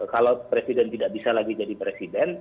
kalau presiden tidak bisa lagi jadi presiden